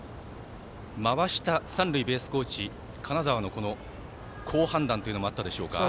回した三塁ベースコーチ金澤の好判断もあったでしょうか。